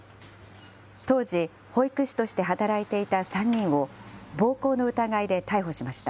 当時、保育士として働いていた３人を暴行の疑いで逮捕しました。